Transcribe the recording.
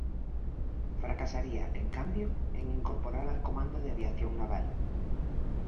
Fracasaría, en cambio, en incorporar al Comando de Aviación Naval.